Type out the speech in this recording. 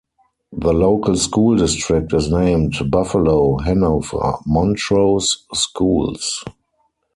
The local school district is named Buffalo-Hanover-Montrose Schools.